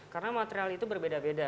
karena material itu berbeda beda